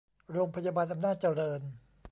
โรงพยาบาลอำนาจเจริญ